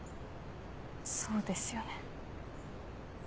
そうですよね。